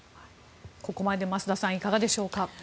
ここまで増田さんいかがでしょうか。